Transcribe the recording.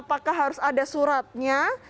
apakah harus ada suratnya